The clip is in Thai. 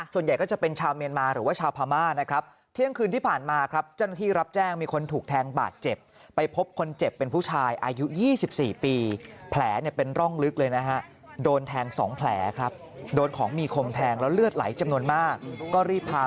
ส่วนใหญ่ก็จะเป็นชาวเมียนมาหรือว่าชาวพามานะครับ